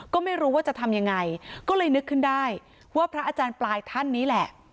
ก็ไม่รู้ว่าจะทำยังไงก็เลยนึกขึ้นได้ว่าพระอาจารย์ปลายท่านนี้แหละ